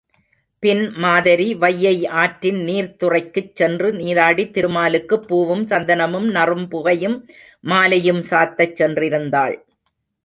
பின் மாதரிவையை ஆற்றின் நீர்த்துறைக்குச் சென்று நீராடித் திருமாலுக்குப் பூவும், சந்தனமும், நறும் புகையும், மாலையும் சாத்தச் சென்றிருந்தாள்.